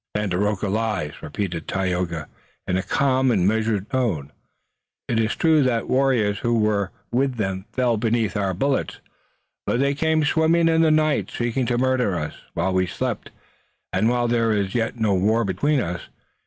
"Tandakora lies," repeated Tayoga in calm and measured tones. "It is true that warriors who were with them fell beneath our bullets, but they came swimming in the night, seeking to murder us while we slept, and while there is yet no war between us.